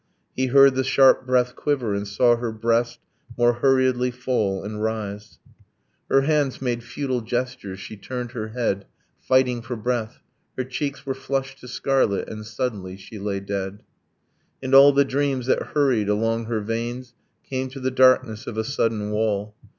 He heard the sharp breath quiver, and saw her breast More hurriedly fall and rise. Her hands made futile gestures, she turned her head Fighting for breath; her cheeks were flushed to scarlet, And, suddenly, she lay dead. And all the dreams that hurried along her veins Came to the darkness of a sudden wall.